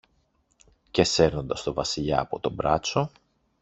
Και σέρνοντας το Βασιλιά από το μπράτσο